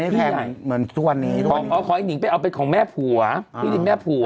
โปรดติดตามตอนต่อไป